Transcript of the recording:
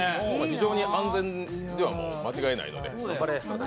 非常に安全には間違いないので。